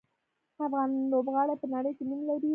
افغان لوبغاړي په نړۍ کې نوم لري.